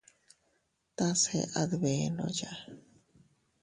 Tase a dbenoya.